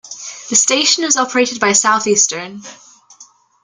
The station is operated by Southeastern.